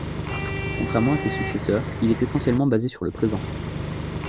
Contrairement à ses successeurs, il est essentiellement basé sur le présent.